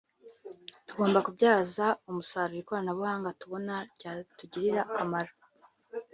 tugomba kubyaza umusaruro ikoranabuhanga tubona ryatugirira akamaro